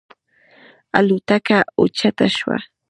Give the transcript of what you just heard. الوتکه اوچته شوه.